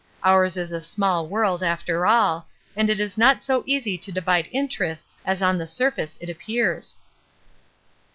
Ours is a small world, after all, and it is not so easy to divide interests as on the surface it appears.